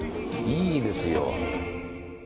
いいですよ。